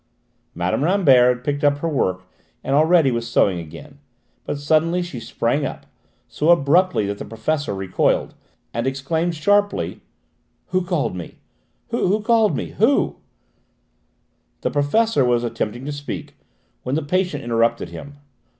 Mme. Rambert had picked up her work and already was sewing again, but suddenly she sprang up, so abruptly that the professor recoiled, and exclaimed sharply: "Who called me? Who called me? Who " The Professor was attempting to speak when the patient interrupted him.